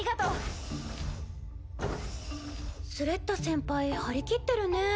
シューンスレッタ先輩張り切ってるね。